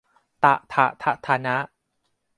ตะถะทะธะนะ